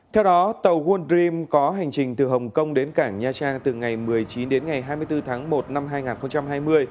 theo đó tàu world dream có hành trình từ hồng kông đến cảng nha trang từ ngày một mươi chín đến ngày hai mươi bốn tháng một năm hai nghìn hai mươi